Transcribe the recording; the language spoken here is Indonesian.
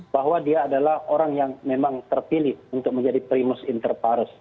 bahwa dia adalah orang yang memang terpilih untuk menjadi primus interpares